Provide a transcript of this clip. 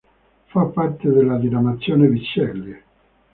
Fa parte della diramazione Bisceglie.